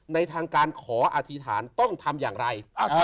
ในทางการขออธิษฐานต้องทำอย่างไร